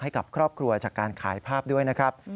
ให้กับครอบครัวจากการขายภาพด้วยนะครับ